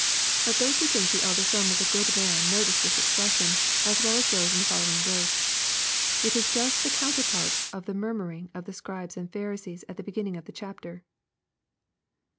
] Let those who think the elder son was a goou man notice this expression, as well as those in the following verse. It is just the counterpart of the " murmuring'' of the Scribes and Pharisees at the beginning of the chapter.